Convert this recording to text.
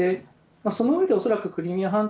その上で恐らくくりみあ